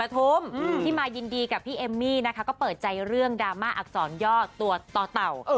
ที่มายินดีกับพี่เอมมี่นะคะก็เปิดใจเรื่องดราม่าอักษรย่อตัวต่อเต่า